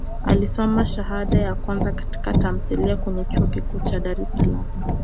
Alisoma shahada ya kwanza katika tamthilia kwenye Chuo Kikuu cha Dar es Salaam